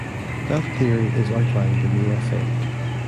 That theory is outlined in the essay.